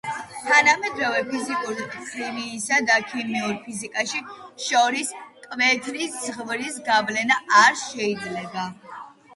თანამედროვე ფიზიკურ ქიმიასა და ქიმიურ ფიზიკას შორის მკვეთრი ზღვრის გავლება არ შეიძლება.